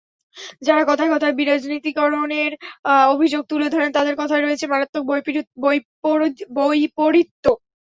যাঁরা কথায় কথায় বিরাজনীতিকরণের অভিযোগ তুলে ধরেন, তাঁদের কথায় রয়েছে মারাত্মক বৈপরীত্য।